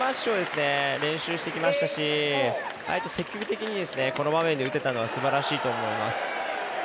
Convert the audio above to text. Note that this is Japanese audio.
あのスマッシュを練習してきましたし積極的にあの場面に打てたのはすばらしいと思います。